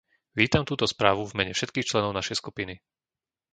Vítam túto správu v mene všetkých členov našej skupiny.